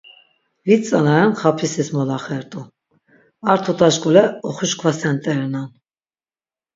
Vit tzana ren xapisis molaxert̆u, ar tuta şkule oxuşkvasent̆erenan.